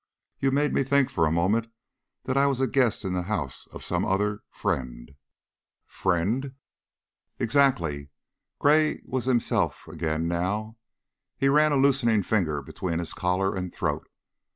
You made me think for a moment that I was a guest in the house of some other friend." "Friend?" "Exactly!" Gray was himself again now. He ran a loosening finger between his collar and throat.